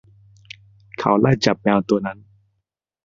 เขาไล่จับแมวตัวนั้น